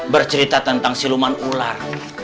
bercerita tentang siluman ular